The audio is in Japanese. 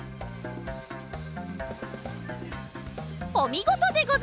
おみごとでござる！